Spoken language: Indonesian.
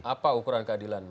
apa ukuran keadilan